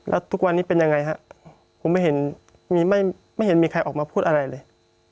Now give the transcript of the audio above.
แล้วทุกวันนี้เป็นยังไงฮะผมไม่เห็นไม่เห็นมีใครออกมาพูดอะไรเลย